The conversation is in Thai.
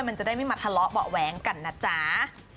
มันจะได้ไม่มาทะเลาะเบาะแว้งกันนะจ๊ะ